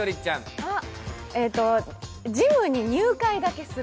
ジムに入会だけする。